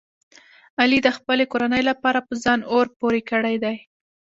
علي د خپلې کورنۍ لپاره په ځان اور پورې کړی دی.